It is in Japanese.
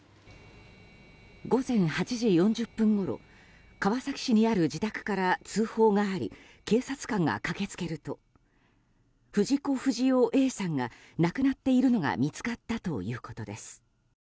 午前８時４０分ごろ川崎市にある自宅から通報があり警察官が駆け付けると藤子不二雄Ａさんが亡くなっているのが見つかったということです。